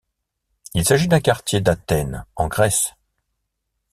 Il s'agit d'un quartier d'Athènes, en Grèce.